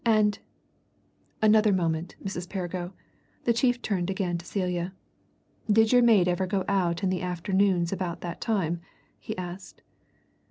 And " "Another moment, Mrs. Perrigo." The chief turned again to Celia. "Did your maid ever go out in the afternoons about that time?" he asked.